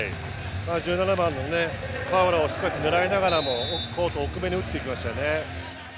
１７番のファオラをしっかり狙いながらもコート奥めに打っていきましたよね。